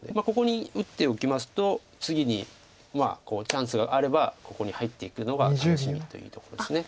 ここに打っておきますと次にチャンスがあればここに入っていくのが楽しみというところです。